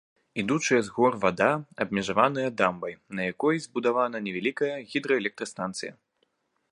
Ідучая з гор вада абмежаваная дамбай, на якой збудавана невялікая гідраэлектрастанцыя.